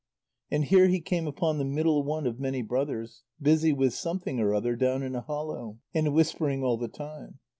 And here he came upon the middle one of many brothers, busy with something or other down in a hollow, and whispering all the time.